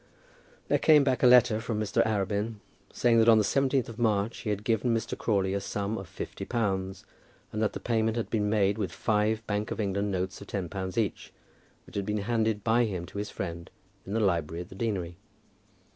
There came back a letter from Mr. Arabin, saying that on the 17th of March he had given to Mr. Crawley a sum of fifty pounds, and that the payment had been made with five Bank of England notes of ten pounds each, which had been handed by him to his friend in the library at the deanery.